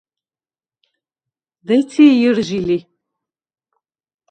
დეცი ჲჷრჟი ლი.